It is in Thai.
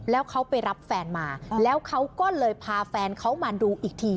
แล้วเขาไปรับแฟนมาแล้วเขาก็เลยพาแฟนเขามาดูอีกที